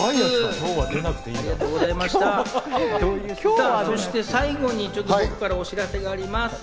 さあそして最後に僕からお知らせがあります。